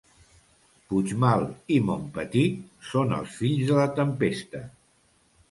Puigmal i Montpetit són els fills de la tempesta.